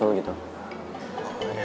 maksudnya nanti dia nyusul gitu